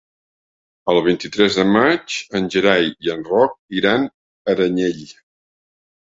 El vint-i-tres de maig en Gerai i en Roc iran a Aranyel.